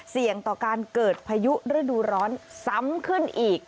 เสี่ยงต่อการเกิดพายุฤดูร้อนซ้ำขึ้นอีก